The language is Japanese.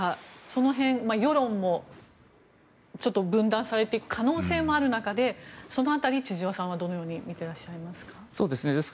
その辺、世論も分断されていく可能性もある中でその辺り千々和さんはどのようにみていらっしゃいますか？